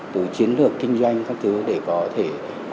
từ chiến lược kinh doanh các thứ để có thể